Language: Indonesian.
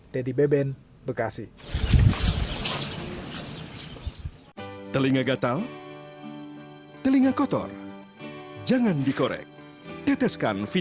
dedy beben bekasi